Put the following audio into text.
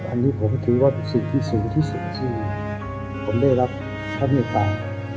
อันนี้ผมก็คิดว่าเป็นสิ่งที่สูงที่สุดที่ผมได้รับทำให้ตาย